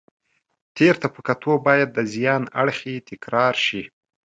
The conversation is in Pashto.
تېر ته په کتو باید د زیان اړخ یې تکرار شي.